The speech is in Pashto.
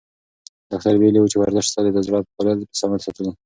ډاکتر ویلي وو چې ورزش ستا د زړه فعالیت په سمه ساتي.